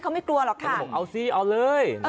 เขาไม่กลัวหรอกค่ะเขาบอกเอาสิเอาเลย